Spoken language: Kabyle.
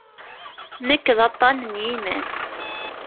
Nekk d aṭṭan n yiman.